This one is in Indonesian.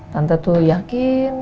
tante tuh yakin